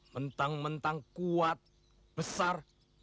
mentang mentang kuat besar